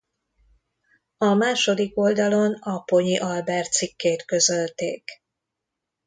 A második oldalon Apponyi Albert cikkét közölték.